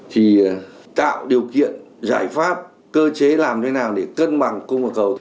thì tạo điều kiện giải pháp cơ chế làm thế nào để cân bằng cung và cầu